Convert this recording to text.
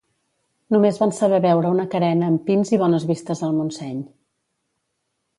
només van saber veure una carena amb pins i bones vistes al Montseny